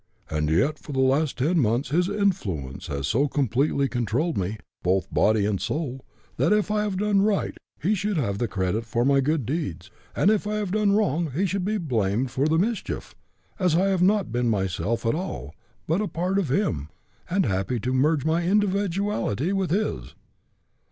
And yet for the last ten months his influence has so completely controlled me, both body and soul, that if I have done right he should have the credit for my good deeds, and if I have done wrong he should be blamed for the mischief, as I have not been myself at all, but a part of him, and happy to merge my individuality into his."